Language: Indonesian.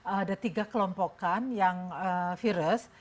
ada tiga kelompokan yang virus